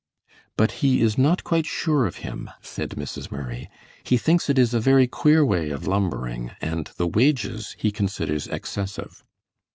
"But he is not quite sure of him," said Mrs. Murray. "He thinks it is a very queer way of lumbering, and the wages he considers excessive."